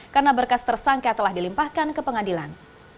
karena berkas tersangka telah dilimpahkan ke pengadilan